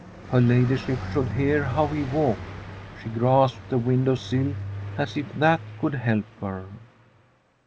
Her ladyship should hear how he walked. She grasped the window sill, as if that could help her.